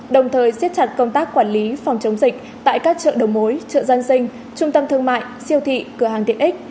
đồng thời xiết chặt công tác quản lý phòng chống dịch tại các chợ đầu mối chợ dân sinh trung tâm thương mại siêu thị cửa hàng tiện ích